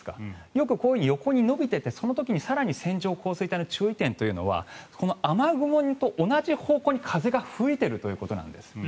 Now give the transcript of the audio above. よくこういうように横に延びててその時の線状降水帯の注意点というのは雨雲と同じ方向に風が吹いているということなんです。